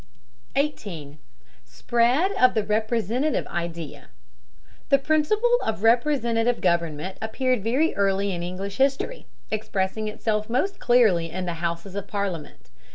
18. SPREAD OF THE REPRESENTATIVE IDEA. The principle of representative government appeared very early in English history, expressing itself most clearly in the houses of Parliament.